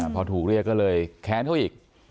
พอถูกเรียกก็เลยแค้นเขาอีก